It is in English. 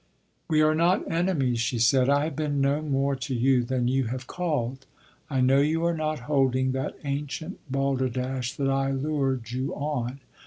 "... We are not enemies," she said. "I have been no more to you than you have called. I know you are not holding that ancient balderdash that I lured you on.